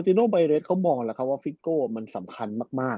นั่นแหละครับเพราะว่าเพราะว่ามันสำคัญมากมาก